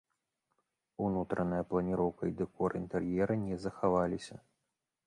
Унутраная планіроўка і дэкор інтэр'ера не захаваліся.